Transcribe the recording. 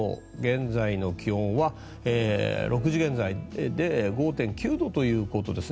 現在の気温は６時現在で５．９度ということです。